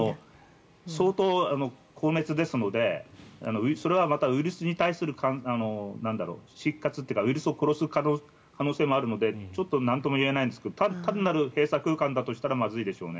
相当、高熱ですのでそれはまたウイルスを殺す可能性もあるのでなんともいえないんですが単なる閉鎖空間だとしたらまずいでしょうね。